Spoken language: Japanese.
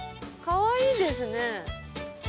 かわいいですね。